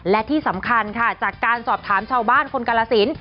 และที่สำคัญค่ะจากการสอบถามชาวบ้านคนกาลสิน